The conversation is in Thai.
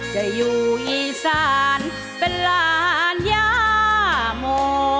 จะอยู่อีสานเป็นหลานย่าโม